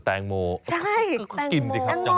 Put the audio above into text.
แตงโมแตงโมแตงโม